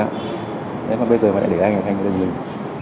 thế mà bây giờ mà lại để anh ở bên mình